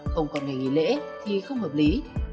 không còn ngày nghỉ lễ thì không hợp lý